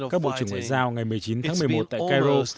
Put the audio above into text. các bộ trưởng ngoại giao ngày một mươi chín tháng một mươi một tại cairo